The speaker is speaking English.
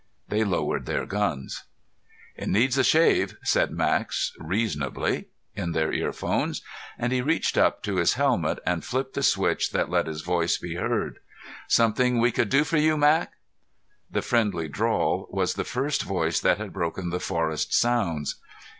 They lowered their guns. "It needs a shave," Max said reasonably in their earphones, and he reached up to his helmet and flipped the switch that let his voice be heard. "Something we could do for you, Mac?" The friendly drawl was the first voice that had broken the forest sounds.